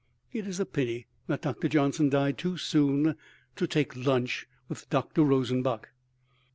It is a pity that Dr. Johnson died too soon to take lunch with Dr. Rosenbach.